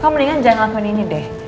kau mendingan jangan lakukan ini deh